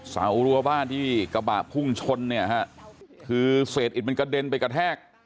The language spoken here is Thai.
สาวอุรวบาลที่กระบะพุ่งชนเนี่ยฮะคือเสร็จไอดมันกระเทก